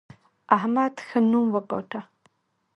احمد ښه نوم وګاټه.